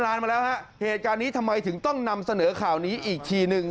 มาแล้วฮะเหตุการณ์นี้ทำไมถึงต้องนำเสนอข่าวนี้อีกทีหนึ่ง